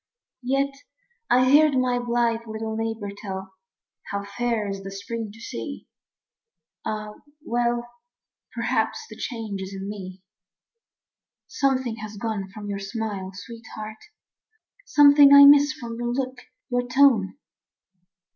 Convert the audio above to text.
Yet I heard my blithe little neighbor tell How fair is the spring to see. Ah, well, Perhaps the change is in me. Something has gone from your smile, sweetheart; Something I miss from your look, your tone.